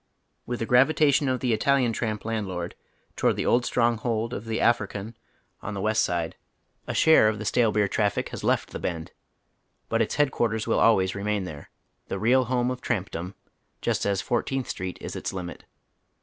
"With the gravitation of the Italian ti amp landlord to ward the old stronghold of the African on tlie West Side, a share of the stale beer traffic has left " tlie Bend ;'' but its headquarters will always remain there, the real Lome of trampdoni, just as ^Fourteenth Street is its limit.